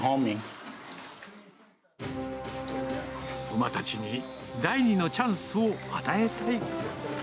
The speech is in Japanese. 馬たちに第二のチャンスを与えたい。